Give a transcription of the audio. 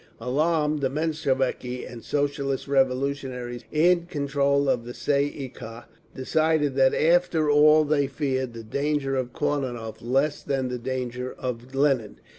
Alarmed, the Mensheviki and Socialist Revolutionaries in control of the Tsay ee kah decided that after all they feared the danger of Kornilov less than the danger of Lenin.